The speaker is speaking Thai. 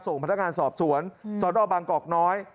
ส่งพันธการสอบสวนสอนอบังกรอกน้อย